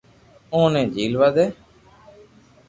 اوني جھيلوا دي